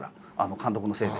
監督のせいで。